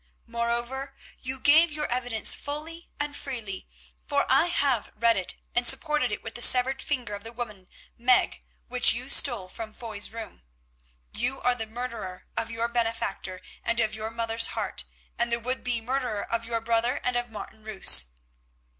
Moreover, you gave your evidence fully and freely, for I have read it, and supported it with the severed finger of the woman Meg which you stole from Foy's room. You are the murderer of your benefactor and of your mother's heart, and the would be murderer of your brother and of Martin Roos.